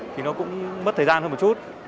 thì nó cũng mất thời gian hơn một chút